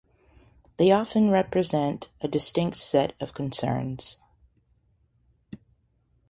They often represent a distinct set of concerns.